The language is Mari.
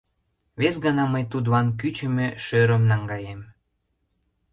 Вес гана мый тудлан кӱчымӧ шӧрым наҥгаем.